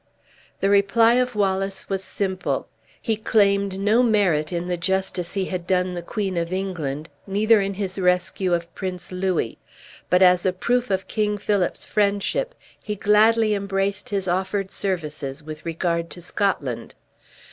The reply of Wallace was simple. He claimed no merit in the justice he had done the Queen of England; neither in his rescue of Prince Louis, but as a proof of King Philip's friendship, he gladly embraced his offered services with regard to Scotland.